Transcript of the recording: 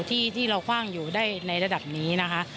ที่เราคว่างอยู่ได้ในระดับนี้นะคะ